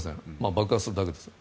爆破するだけです。